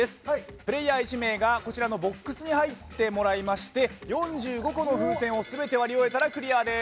プレーヤー１名がボックスに入ってもらいまして４５個の風船を全て割り終えたらクリアです。